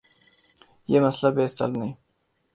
یہ مسئلہ بحث طلب نہیں۔